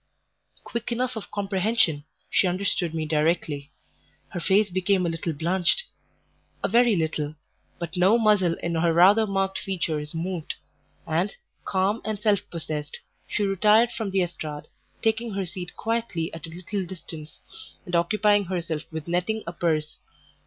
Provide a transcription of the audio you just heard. Quick enough of comprehension, she understood me directly; her face became a little blanched a very little but no muscle in her rather marked features moved; and, calm and self possessed, she retired from the estrade, taking her seat quietly at a little distance, and occupying herself with netting a purse.